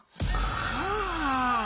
はあ！